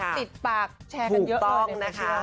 คำคิดติดปากแชร์กันเยอะนะคะ